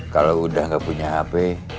kalau udah nggak punya hp